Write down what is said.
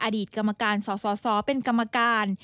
อดีตกรรมการสสเป็นกรรมการ